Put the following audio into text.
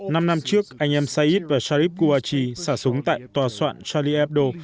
năm năm trước anh em saeed và sharif gouachi xả súng tại tòa soạn charlie hebdo